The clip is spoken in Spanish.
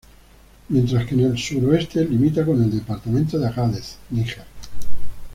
Mientras que en el suroeste limita con el departamento de Agadez, Níger.